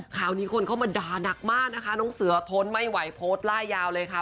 ข่าวนี้คนเข้ามาด่านักมากนะคะน้องเสือทนไม่ไหวโพสต์ล่ายยาวเลยค่ะ